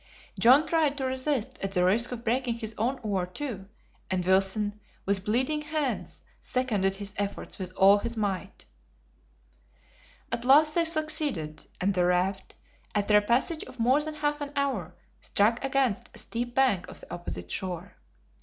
John tried to resist at the risk of breaking his own oar, too, and Wilson, with bleeding hands, seconded his efforts with all his might. At last they succeeded, and the raft, after a passage of more than half an hour, struck against the steep bank of the opposite shore.